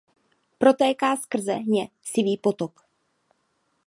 Protéká skrze ně Sivý potok.